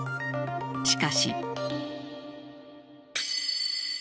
しかし。